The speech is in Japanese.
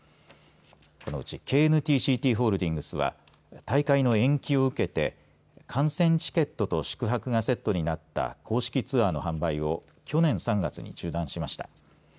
このうちＫＮＴーＣＴホールディングスは大会の延期を受けて観戦チケットと宿泊がセットになった公式ツアーの販売を去年３月に中断しました。